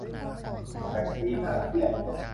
แกว่งตีนหาเสี้ยน